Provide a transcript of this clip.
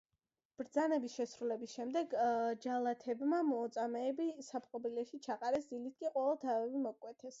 ბრძანების შესრულების შემდეგ ჯალათებმა მოწამეები საპყრობილეში ჩაყარეს, დილით კი ყველას თავები მოჰკვეთეს.